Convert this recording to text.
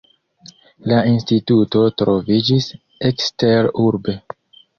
La instituto troviĝis eksterurbe.